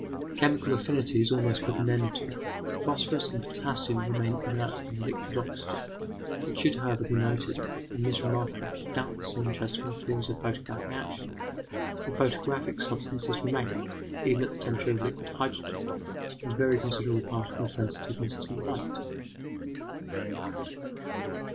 Chemical affinity is almost put an end to; phosphorus and potassium remain inert in liquid oxygen. It should, however, be noted, and this remark has doubtless some interest for the theories of photographic action, that photographic substances retain, even at the temperature of liquid hydrogen, a very considerable part of their sensitiveness to light.